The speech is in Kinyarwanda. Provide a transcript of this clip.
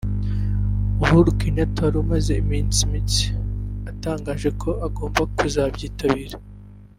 Uhuru Kenyatta wari umaze iminsi mike atangaje ko agomba kuzabyitabira